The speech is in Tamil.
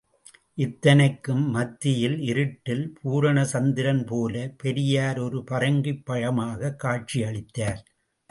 இத்தனைக்கும் மத்தியில் இருட்டில் பூரண சந்திரன் போல பெரியார் ஒரு பறங்கிப் பழமாகக் காட்சியளித்தார்.